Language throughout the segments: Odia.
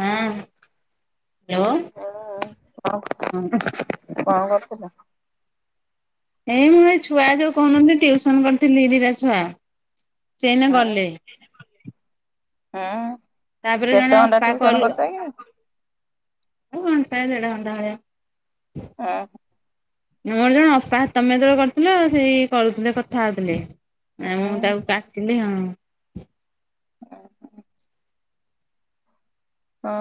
ହାଁ ଲୋ କଁ କରୁ କଁ କରୁଥିଲ? ଏଇ ମୁଁ ଏ ଛୁଆ ଯୋଉ କହୁନଥିଲି ଟ୍ୟୁସନ୍ କରୁଥିଲି ଦିଟା ଛୁଆ ସେ ଏଇନେ ଗଲେ। ହଁ ତାପରେ ଜଣେ କେତେ ଘଣ୍ଟା ଅପା ଟ୍ୟୁସନ୍‌ କରୁଚ କି? ଉ ଘଣ୍ଟାଏ ଦେଢ଼ଘଣ୍ଟା ଭଳିଆ। ହୁଁ ମୋର୍ ଜଣେ ଅପା ତମେ ଯୋଉ କରିଥିଲ ସେଇ କଉଥିଲେ କଥା ହେ ବେଲି। ଏଁ ମୁଁ ହୁଁ ତାକୁ କାଟିଲି ଆଉ। ଅ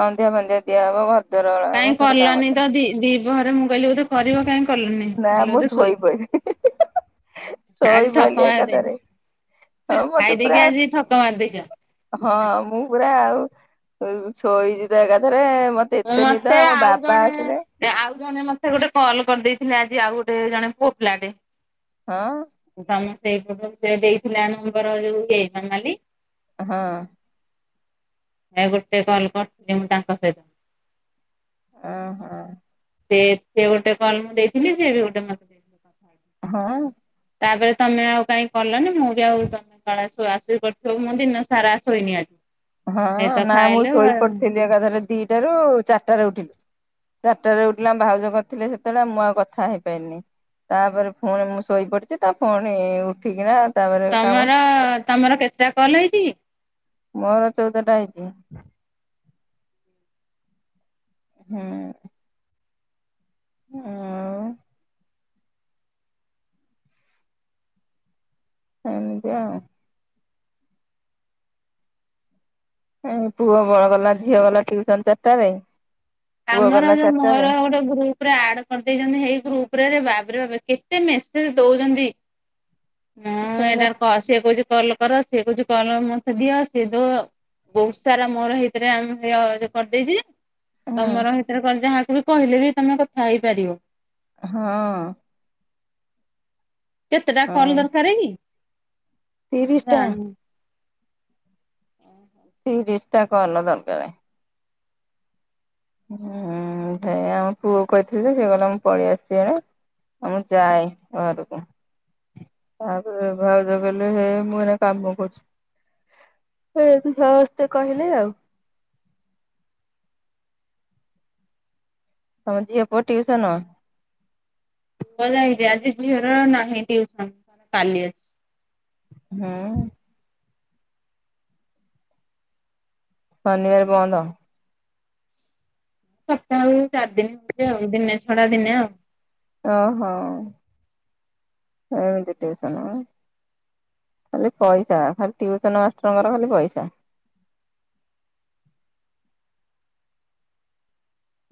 ସନ୍ଧ୍ୟା ଫନ୍ଧ୍ୟା ଦିଆ ହବ ଘର୍ କାଇଁ କଲନିତ ଦି ଦିପହରେ ମୁଁ କହିଲି ବୋଧେ କରିବ କାଇଁ କଲନି ନା ମୁଁ କଇଲି ବୋଧେ ଶୋଇପ ଶୋଇପଇଲି ଆଜି ଶୋଇପଇଲି ଠକା ମାର୍ ଦେଇ ଏକାଥରେ ହଁ ମତେ ଖାଇ ପୁରା ଦେଇକି ଆଜି ଠକା ମାରି ଦେଇଚ। ହଁ ମୁଁ ପୁରା ଆଉ ଉ ଶୋଇଚି ତ ଏକାଥରେ ମତ୍ ଏତେ ନିଦ ଆମ ବାବା ଆସିଲେ ଏ ଆଉ ଜଣେ ମତେ ଗୋଟେ କଲ୍ କରିଦେଇଥିଲା ଯେ ଆଜି ଆଉ ଗୋଟେ ଜଣେ ପୁଅ ପିଲାଟେ। ହଁ। ତମ ସେଇପଟୁ ସେ ଦେଇଥିଲା ଯୋଉ ମାମାଲି। ହଁ। ଆଉ ଗୋଟେ କଲ୍ କରିଥିଲି ମୁଁ ତାଙ୍କ ସହିତ। ଅ ହ। ସେ ଏବେ ଗୋଟେ କଲ୍ ମୁଁ ଦେଇଥିଲି ସେ ବି ଗୋଟେ କଲ୍ ମତ୍ [inaudible] ହଁ। ତାପରେ ତମେ ଆଉ କାଇଁ କଲନି ମୁଁ ବି ଆଉ କ କାଳେ ଶୁଆ ଶୋଇ କରିଥିବ ମୁଁ ଦିନ ସାରା ଶୋଇନି ଆଜି। ହଁ ଏଇତ ନାଁ ମୁଁ ଖାଇଲୁ ଆଉ ଶୋଇପଡିଥିଲି ଏକାଥରେ ଦିଟା ରେ ଏକାଥରେ ଚାରିଟାରେ ଉଠିଲି। ଚାରିଟାରେ ଉଠିଲି ଆମ୍ ଭାଉଜ କରିଥିଲେ ସେତେବେଳେ ମୁଁ ଆଉ କଥା ହେଇପାଇଲିନି। ତାପରେ ଫୁଣି ମୁଁ ଶୋଇପଡ଼ିଚି ତ ଫୁଣି ଉଠିକିନା ତାପରେ କାମ ତମର ତମର କେତେଟା କଲ୍ ହେଇଚିକି? ମୋର ଚଉଦଟା ହେଇଚି। [inaudible] ହୁଁ। ହୁଁ ହେମିତି ଆଉ। ଏ ପୁଅ ଗଲା ଝିଅ ଗଲା ଟ୍ୟୁସନ୍‌ ଚାର୍ଟାରେ। ଆମର ଯୋଉ ମହିଳା ଗୋଟେ ଗୃପ୍ ପୁରା ଆଡ଼୍‌ କରିଦେଇଚନ୍ତି ହେଇ ଗ୍ରୁପ୍ ରେ ବାପ୍ ରେ ବାପ୍ କେତେ ମେସେଜ୍‌ ଦଉଚନ୍ତି। ହଁ ସେଇରା ଏଟାର୍ ତ ସିଏ କଉଚି କଲ୍ କର ସେ କଉଚି କଲ୍ ମତେ ଦିଅ ସେ [inaudible] ବହୁତ୍ ସାରା ମୋର ହେଇତିରେ ଆମ ପୁରା ଯୋ କରିଦେଇଚି। ହଁ ତମର ହେଇଟିରେ କର୍ ଯାହାକୁ ବି କହିଲେ ବି ତମେ କଥା ହେଇପାରିବ। ହଁ କେତେଟା କଲ୍‌ ଦର୍କାରେ କି? ତିରିଶ୍ ଟା। ଜାଣିନି ତିରିଶ୍ ଟା କଲ୍ ଦର୍କାରେ। ହୁଁ ଭାଇ ଆମ ପୁଅକୁ କହିଥିଲେ ଯେ ସିଏ କଇଲା ମୁଁ ପଳେଇଆସିଚି ଏବେ। ହଉ ମୁଁ ଯାଏ ଘରକୁ। ତାପରେ ଭାଉଜ କଇଲେ ହେ ମୁଁ ଏଇନେ କାମ କରୁଚି। ଏମିତି ସମସ୍ତେ କହିଲେ ଆଉ। ତମ ଝିଅ ପୁଅ ଟିଉସନ? ପୁଅଯାଇଚି ଆଜି ଝିଅର ନାହିଁ ଟିଉସନ୍ କାଲି ଅଛି। ହୁଁ। ଶନିବାରେ ବନ୍ଦ। ସପ୍ତାହରୁ ଚାରି ଦିନ ଛି ଆଉ ଦିନେ ଛଡା ଦିନେ ଆଉ। ଓହୋ ଏମିତି ଟିଉସନ୍। ଖାଲି ପଇସା ଖାଲି ଟିଉସନ ମାଷ୍ଟରଙ୍କର ଖାଲି ପଇସା।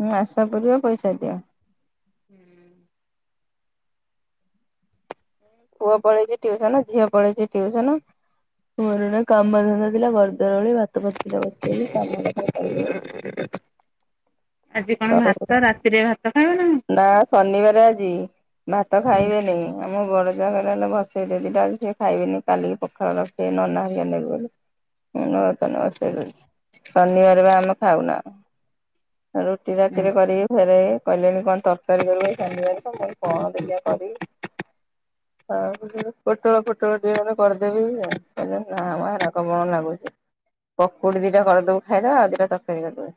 ହଁ ଆଶା ପୁରିବ ପଇସା ଦିଅ। ପୁଅ ପଳେଇଛି ଟିଉସନ ଝିଅ ପଳେଇଛି ଟିଉସନ୍। ମୋର ଏଇନା କାମ ଧନ୍ଦା ଥିଲା ଘର ଦ୍ବାର ଓଳେଇ ଭାତ ନଥିଲା ବସେଇବି [unintelligible] ସେ [unintelligible] ଆଜି କଣ ଆଉ ଭାତ ରାତିରେ ଭାତ ଖାଇବ ନା ଶନିବାର ଆଜି। ଭାତ ନା ଖାଇବେନାଇ ଆମ ବଡ ଯା ହେଲା ହେଲେ ବସେଇଦେ ଦିଟା ଆ ସେଏ ଖାଇବେନି। କାଲିକି ପଖାଳ ରଖେ ନନା ହରିକା ନେବ ବୋଲି। ଏଇନା ବା ତାହାଲେ ବସେଇ ଦୋଉଚି ଶନିବାରେ ବା ଆମେ ଖାଉନା ରୁ ଟି ରାତିରେ କରିକି ଫେରେ କହିଲେଣି କଣ ତରକାରୀ କରିବେ ଶନିବାର ଯେ ମୁଁ କହିଲି କଣ ଦେଖିଆ କରିବି ଆଉ ପୋଟଳ ଫୋଟଳ ଟିକେ କରିଦେବି କହିଲେ ନା ମ ହେରାକ କଣ ଲାଗୁଚି। ପକୁଡି ଦିଟା କରିଦୋବୁ ଖାଇଦବା ଆଉ ଦିଟା ତରକାରୀ କରିଦବା।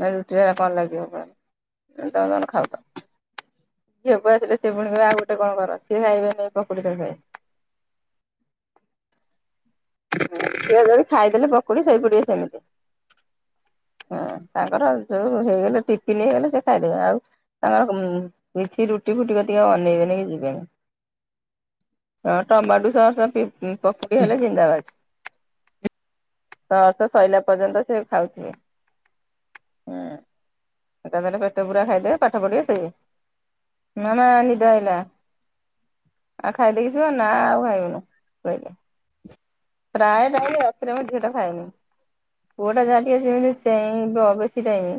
ନହଲେ ରୁଟି କଣ ଲାଗିବ କ ତମେ ତମର ଖାଉଥା ଝିଅକୁ ଆସିଲେ ସେ ଫୁଣି ଆଉ ଗୋଟେ କଣ କର ସିଏ ଖାଇବନି ଏଇ ପକୁଡି ତକାରୀ ସେଏ ଯୋଦି ଖାଇଥିଲେ ପକୁଡି ଶୋଇ ପଡିବ ସେମିତି। ହଁ ତାଙ୍କର ଯୋଉ ହେଇଗଲେ ଟିପିନି ହେଇଗଲେ ସେ ଖାଇଦେବେ ଆଉ ତାଙ୍କର କିଛି ରୁଟି ଫୁଟିି ଟିକେ ଅନେଇବେନି କି ଯିବେନି। ଟମାଟୁ ସସ୍‌ ପକେଇ ହେଲେ ଜିନ୍ଦାବାଦ ସସ୍‌ ସଇଲା ପର୍ଯ୍ୟନ୍ତ ସେ ଖାଉଥିବ। ହୁଁ ଏକା ଥରେ ପେଟ ପୂରା ଖାଇଦବ ପାଠ ପଢିବ ଶୋଇବ ନା ନା ହିଡ଼ ଆଇଲା। ଆଉ ଖାଇଦେଇକି ଯିବ ନା ଆଉ ଖାଇବୁନୁ ଶୋଇଲେ। ପ୍ରାୟ ଟାଇମ୍ ରାତିରେ ମୋ ଝିଅଟା ଖାଉନି। ପୁଅଟା ଯାହା ଟିକେ ସେମିତି ଚେଇଁବ ବେଶୀ ଟାଇମ୍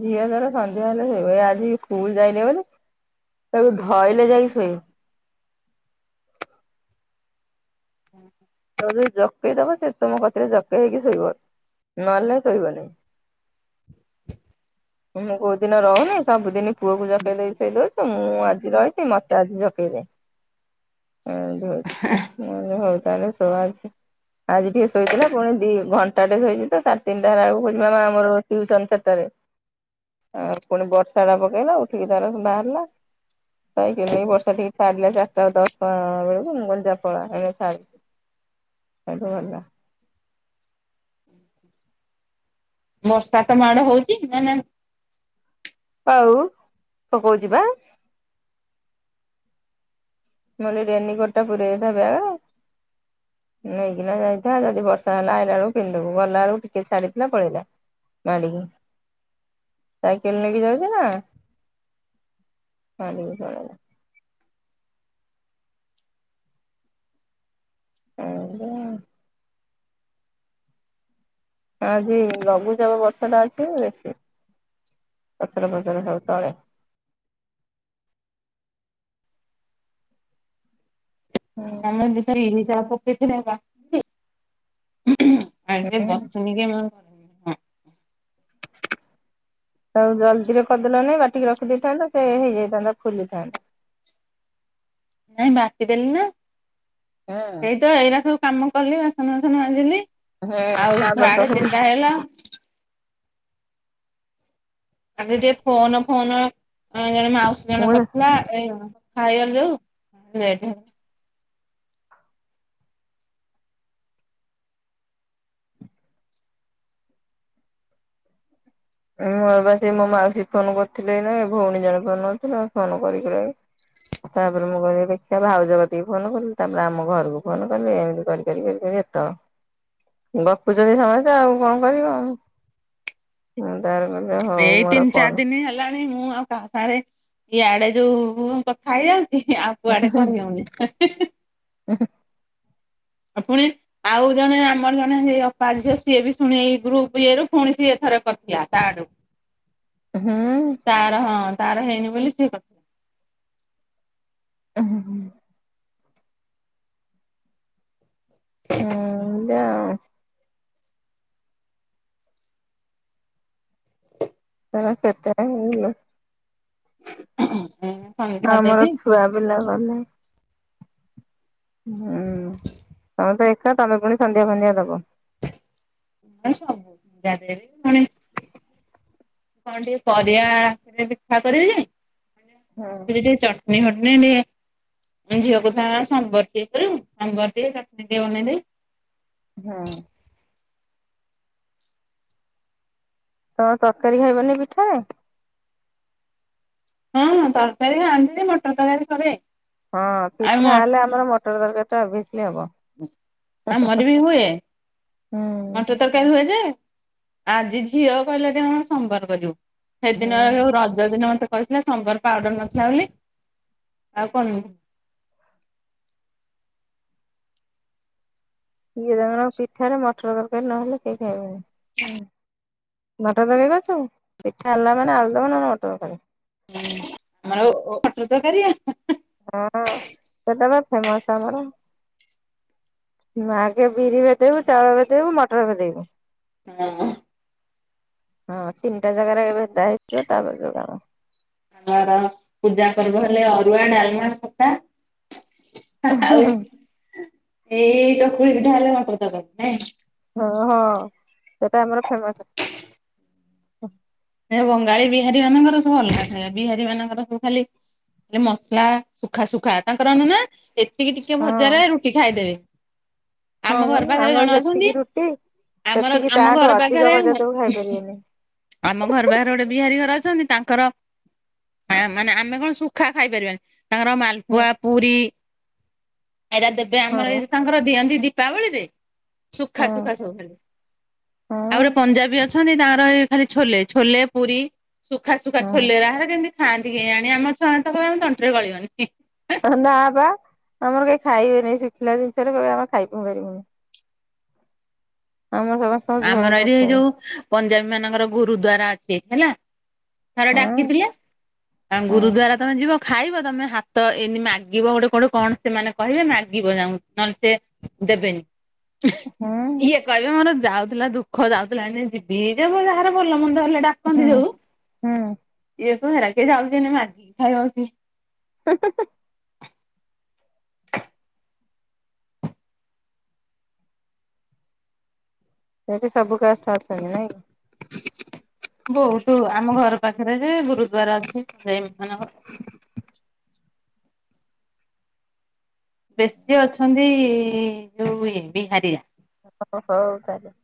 ଝିଅ ତାର ସନ୍ଧ୍ୟା ହେଲେ ସେଇ ଆଜି ସ୍କୁଲ ଯାଇନି ବୋଲି ତାକୁ ଧୋଇଲେ ଯାଇ ଶୋଇବ। ହୁଁ। ଜକେଇଦବ ସେ ତମ କତିରେ ଜକେଇ ହେଇକି ଶୋଇବ ନହେଲେ ନାଇଁ ଶୋଇବନି। ତମେ କହୁଥିଲ ର ଯେ ସେ ସବୁଦିନ ପୁଅକୁ ଜଗେଇ କି ଚାଲେ ମୁଁ ଆଜି ରହିଚି ମତେ ଆଜି ଜକେଇବ। ଆଉ ଯାଇଚି ମୁଁ କହିଲି ହୋଉ ତାହେଲେ ସେଉ ଅଛି। ଆଜି ଟିକେ ଶୋଇଥିଲା ଫୁଣି ଦି ଘଣ୍ଟାଟେ ଶୋଇଚି ଶାଢେ ତିନିଟା ହେଲାକୁ ମା ଟିଉସନ ଚାରିଟାରେ। ଆଉ ପୁଣି ବର୍ଷା ବା ପକେଇଲା ଉଠିକି ତାର ବାହାରିଲା। ହୋଉ ତିନି ବର୍ଷ ଛାଡିଲା ଚାରିଟା ବ କଣ କହିଲି ମୁଁ କହିଲି ଯା ପଳା ଏଇନା ଛା ହେଟୁ ଗଲା। ବର୍ଷା ତମ ଆଡେ ହୋଉଚି ନା ନାହିଁ? ଆଉ ପକୋଉଚି ପା। ନହେଲେ ରେନିକୋଟ ଟା ପୁରେଇ ହେଇଥା ବ୍ୟାଗ୍ ରେ ନେଇକିନା ଯାଇଥା ଯଦି ବର୍ଷା ହେଲା ଆଇଲା ବେଳକୁ ପିନ୍ଧିବୁ ଗଲା ବେଳକୁ ଟିକେ ଛାଡ଼ିଥିଲା ପଳେଇଲା। ମାଡିକି ସାଇକେଲ ନେଇକି ଯାଉଚୁ ନା ମାଡ଼ିକି ପଳେଇଲା। ଏନ୍ତି ଆଉ। ଆଜି ଲଘୁଚାପ ବର୍ଷାଟା ଅଛି ବେଶୀ ପଚରା ଫଚରା ହଉ ତଳେ। ହୁଁ [unintelligible] ହୁଁ [inaudible] ହଉ ଜଲ୍ଦିରେ କରିଦେଲନି ବାଟିକି ରଖିଦେଇଥାନ୍ତ ସେ ହେଇଯାଇଥାନ୍ତା ଫୁଲିଥାନ୍ତା। ନାଇଁ ବାଟିଦେଲି ନା ହଁ। ଏଇତ ଏଇରା ସବୁ କାମ କଲି ବାସନ ବାସନ ମାଜିଲି ହୁଁ ଆଉ ତାପରେ ତ ସାଢେ ସବୁ ତିନିଟା ହେଲା ଆଗେ ଟିକେ ଫୋନ ଫୋନ ଏଁ ଜଣେ ମାଉସୀ ଜଣେ ମୁଁ କରିଥିଲା। ଏଇ ମୁଁ କଥା ହେଇଗଲି ଯୋଉ ଲେଟ ହେଲା। ମୁଁ ବା ସେଇ ମୋ ମାଉସୀ ଫୋନ କରିଥିଲେ ଏଇନା ଭଉଣୀ ଜଣେ ଫୋନ କରିଥିଲା ଫୋନ କରି କୁରାକି ତାପରେ ମୁଁ କିହିଲି ଦେଖିଆ ଭାଉଜ କତିକି ଫୋନ କଲି ତାପରେ ଆମ ଘରୁକୁ ଫୋନ କଲି ଏମିତି କରି କରିି କରି କରି ଏତ। ବପୁଚନ୍ତି ସମସ୍ତେ ଆଉ କଣ କରିବ ଆଉ। ହଁ ତାରେ ମୋର ଏଇ ତିନି ଚାର କଲ ଦିନି ହେଲା ଣି ମୁଁ ଆଉ କାହା ସାଙ୍ଗେରେ ଇଆଡେ ଯୋଉ କଥା ହେଇଯାଉଚି ଆଉ କୁଆଡେ କରିହଉନି। ଏ ହେଁ। ଆ ପୁଣି ଆଉ ଜଣେ ଆମର ଜଣେ ସେଇ ଅପା ଝିଅ ସିଏ ବି ଶୁଣି ଏଇ ଗ୍ରୁପ ଇଏ ରୁ ପୁଣି ସିଏ ଥରେ କରିଥିଲା ତାଆ। ଡୁ ହୁଁ। ତାର ହଁ ତାର ହେଇନି ବୋଲି ସିଏ କ ଉୁଁ ହୁଁ ହୁଁ। ଏନ୍ତି ଆଉ। [inaudible] ବିିଲ ସନ୍ଧ୍ୟା ଆମର ଦେବି ନାହିଁ। ହୁଁ ତମେ ତ ଏକା ତମେ ପୁଣି ସନ୍ଧ୍ୟା ଫନ୍ଧ୍ୟା ଦବ। ନାଇଁ ସନ୍ଧ୍ୟା ଦେବି ପୁଣି କଣ ଟିକେ ପରିଆ ଆସିଲେ ପିଠା କରିବି ହୁଁ ଯେ [inaudible] ଟିକେ ଚ ଟନି ଫଟନି ଟିକେ ଆମ ଝିଅ କହୁଥିଲା ମାମା ସମ୍ବର ଟିକେ କରିବୁ ସମ୍ବର ଟିକେ ଚଟନି ଟିକେ ବନେଇ ଦେବି। ହଁ। ତ ତରକାରୀ ଖାଇବନି ପିଠାରେ? ହଁ ତରକାରୀ ଖାଆନ୍ତି ଯେ ମଟର ତରକାରୀ କରେ। ହଁ ଆଉ ମ ପିଠା ହେଲେ ଆମର ମଟର ତରକାର ଟା ଅଭିଅସଲି ହବ। ଆମର ବି ହୁଏ ହୁଁ ମଟର୍ ର୍ ତରକାରୀ ହୁଏ ଯେ ଆଜି ଝିଅ କହିଲା ଟିକେ ମାମା ସମ୍ବର୍ କରିବୁ। ହେ ଦିନ ହୁଁ। ଯୋଉ ରଜଦିନ ମତେ କହିଥିଲା ସମ୍ବର ପାଉଡର ନଥିଲା ବୋଲି ଆଉ କରିନ୍ ସିଏ ତାଙ୍କର ପିଠାରେ ମଟର ତରକାରୀ ନହେଲେ କେହି ଖାଇବେନି ହୁଁ। ମଟର ତରକାରୀ କରିଚ? ପିଠା ହେଲା ମାନେ ଆଳୁଦମ୍ ନହେଲେ ମଟର ତରକାରୀ। ହୁଁ ଆମର ଓ-ଓ ମଟର ତରକାରୀ ଆ ହାଁ ହାଁ। ହଁ ସେଟା ପା ଫେମସ୍ ଆମର। ମ ଆଗେ ବିରି ଭେଦେଇବୁ ଚାଉଳ ଭେଦେଇବୁ ମଟର ଭେଦେଇବୁ। ହଁ। ହଁ ତିନିଟା ଜାଗାରେ ଭେଦା ହେଇଥିବ ତାପରେ ଯୋଉ କାମ। ଆମର ପୂଜା ପର୍ବ ହେଲେ ଅରୁଆ, ଡାଲମା, ଖଟା। ହା ଆଉ ଏଇ ଚକୁଳି ପିଠା ହେଲେ ମଟର ତରକାରୀ ନାଇଁ। ହଁ ହଁ ସେଟା ଆମର ଫେମସ। ଏ ବଙ୍ଗାଳୀ, ବିହାରୀ ମାନଙ୍କର ସବୁ ଅଲଗା ଥାଏ। ବିହାରୀ ମାନଙ୍କର ସବୁ ଖାଲି। [unintelligible] ମସଲା ଶୁଖା ଶୁଖା ତାଙ୍କର ନୁନା ଏତିକି ଟିକେ ହଁ ଭଜାରେ ରୁଟି ଖାଇଦେବେ। ହଁ ଆମ ଘର ପା ପାଖରେ ଆମର ଜଣେ ଅଛନ୍ତି ଯେତିକି ରୁଟି ଆମର ସେତିକି ଆମ ତାଠୁ ଘର ଅଧିକ ପାଖରେ ଭଜା ଦବୁ ଖାଇ ପାରିବେନି। ଆମ ଘର ପାଖରେ ଗୋଟେ ବିହାରୀ ଘର ଅଛନ୍ତି ତାଙ୍କର ଆ ମାନେ ଆମେ କଣ ଶୁ ଖା ଖାଇପାରିବାନି ତାଙ୍କର ହୁଁ ମାଲପୁଆ, ପୁରୀ ଏଟା ଦେ ବେ ହଁ ଆମର ଏ ବା ତାଙ୍କର ଦିଅନ୍ତି ଦୀପାବଳିରେ। ସୁଖା ହଁ ସୁଖା ସବୁ ଖାଲି ଆଉ ହଁ ଗୋଟେ ପଞ୍ଜାବୀ ଅଛନ୍ତି ତାଙ୍କର ଏ ଖାଲି। ଛୋଲେ ଛୋଲେ, ପୁରୀ ସୁଖା ସୁୁଖା ଛୋଲେ ରା ହେ କେମିତି। ଖାଆନ୍ତି କେଜାଣି ଆମ ଛୁଆ ମାନେ ତ କହିବେ ଆମ ତଣ୍ଟିରେ ଗଳିବନି ହି ଏ ହେ ନା ବା ଆମର କେହି ଖାଇବେନି ଶୁଖିଲା ଜିନିଷରେ କହିବେ ଆମେ ଖାଇବୁ ପାରିବୁନି। ଆମର କହିବେ। ଆମର ଏଠି ଏଇ ଯୋଉ ପଞ୍ଜାବୀ ମାନଙ୍କର ଗୁରୁଦ୍ଵାରା ଅଛି ହେଲା। ଥରେ ହଁ ଡାକିଥିଲେ। ଅଁ ହଁ ଗୁରୁଦ୍ଵାରା ତମେ ଯିବ ଖାଇବ ତମେ ହାତ ଏନ୍ତି ମାଗିବ ଗୋଟେ ଗୋଟେ କଣ। ସେମାନେ କହିବେ ମାଗିବ ଯାଉଁ ନହେଲେ ସେ ଦେବେନି। ହଁ ଇଏ କହିବେ ମୋର ଯାଉ ଥିଲା ଦୁଃଖ ଯାଉଥିଲା ଏଇନେ ଯିବି [unintelligible] ଯାହାର ଭଲ ମନ୍ଦ ହେଲେ ଡାକନ୍ତି ହୁଁ ଯୋଉ। ହୁଁ ଇଏ କହେ ହେରା କିଏ ଯାଉଛି ଏଇନେ ମାଗିକି ଖାଇବ ବସିକି। ହେଁ ହେଁ ହେଁ। ସେଇଠି ସବୁ କାଷ୍ଟ ଅଛନ୍ତି ନାଇଁ କି। ବହୁତୁ ଆମ ଘର ପାଖରେ ଯେ ଗୁରୁଦ୍ଵାର ଅଛି ସେଇ ମାନଙ୍କର। [inaudible] ବେଶୀ ଅଛନ୍ତି ଯୋଉ ଇଏ ବିହାରି ଯା ଓ ଓ ହଉ ତାହେଲେ।